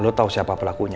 kalo lu tau siapa pelakunya